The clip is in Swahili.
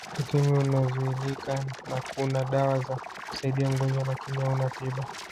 Ukimwi unazuilika na kuna dawa za kusaidia mgojwa lakini hauna tiba